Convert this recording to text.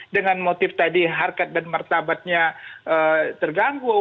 dengan motif tadi harkat dan martabatnya terganggu